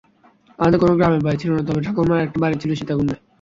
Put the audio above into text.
আমাদের কোনো গ্রামের বাড়ি ছিল না, তবে ঠাকুরমার একটা বাড়ি ছিল সীতাকুণ্ডে।